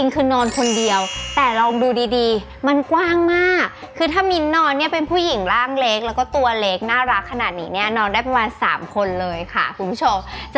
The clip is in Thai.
ขึ้นละ๔๐๐บาทเท่านั้นโอ้โห